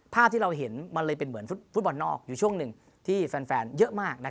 ภาพที่เราเห็นมันเลยเป็นเหมือนฟุตบอลนอกอยู่ช่วงหนึ่งที่แฟนเยอะมาก